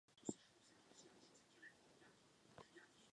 Taková místa mohou mít velmi špatné větrání.